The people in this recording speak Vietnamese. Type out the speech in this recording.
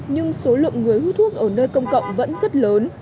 nhưng số lượng người hút thuốc ở nơi công cộng vẫn rất lớn